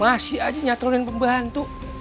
masih aja nyaturnya pembantu